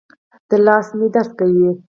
دا لاس مې درد کوي